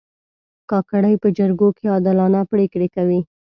کاکړي په جرګو کې عادلانه پرېکړې کوي.